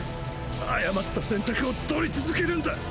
誤った選択を取り続けるんだ！